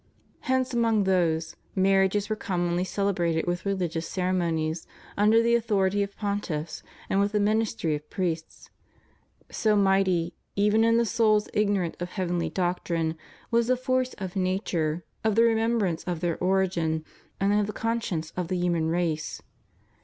Hence among those, marriages were commonly celebrated with religious ceremonies, under the authority of pontiffs, and with the ministry of priests. So mighty, even in the souls ignorant of heavenly doctrine, was the force of nature, of the remembrance of their origin, and of the conscience of the human race.